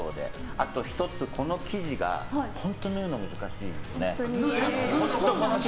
あと１つ、この生地が本当に縫うの難しいですよね。